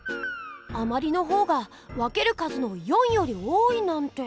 あまりの方が分ける数の４より多いなんて！